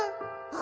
「あ！」